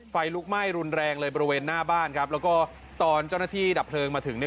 ไฟลุกไหม้รุนแรงเลยบริเวณหน้าบ้านครับแล้วก็ตอนเจ้าหน้าที่ดับเพลิงมาถึงเนี่ย